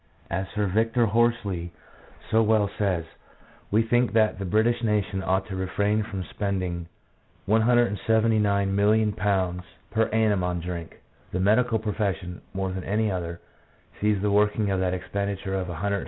As Sir Victor Horsley so well says, " We think that the (British) nation ought to refrain from spending ,£179,000,000 per 4 PSYCHOLOGY OF ALCOHOLISM. annum on drink. The medical profession, more than any other, sees the working of that expenditure of ,£179,000,000.